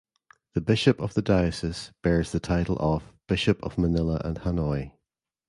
The bishop of the diocese bears the title of "Bishop of Manila and Hanoi".